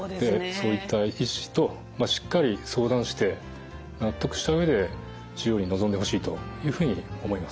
そういった医師としっかり相談して納得したうえで治療にのぞんでほしいというふうに思います。